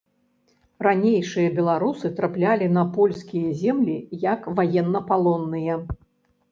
Ранейшыя беларусы траплялі на польскія землі як ваеннапалонныя.